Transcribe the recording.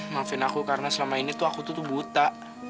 maafin aku karena selama ini tuh aku tuh buta